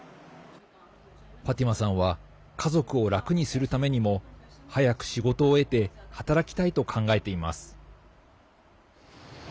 ファティマさんは家族を楽にするためにも早く仕事を得て働きたいと考えています。